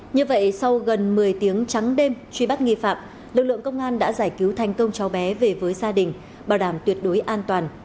như vậy sau gần một mươi tiếng trắng đêm truy bắt nghi phạm lực lượng công an đã giải cứu thành công cháu bé về với gia đình bảo đảm tuyệt đối an toàn